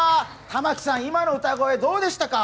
玉木さん、今の歌声どうでしたか？